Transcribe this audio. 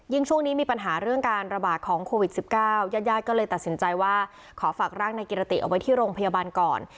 ช่วงนี้มีปัญหาเรื่องการระบาดของโควิด๑๙ญาติญาติก็เลยตัดสินใจว่าขอฝากร่างนายกิรติเอาไว้ที่โรงพยาบาลก่อน